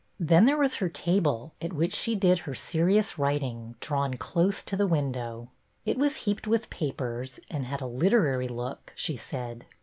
Then there was her table, at which she did her serious writing, drawn close to the window. It was heaped with papers, and had a literary look," she said.